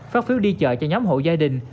phát phiếu đi chợ cho nhóm hộ gia đình